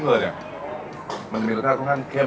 เหมือนมีรสชาติไปข้างเข้ม